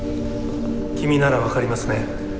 君なら分かりますね？